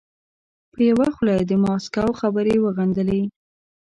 په یوه خوله د ماسکو خبرې وغندلې.